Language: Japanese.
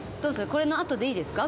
これのあとでいいですか？